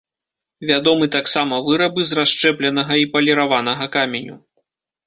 Вядомы таксама вырабы з расшчэпленага і паліраванага каменю.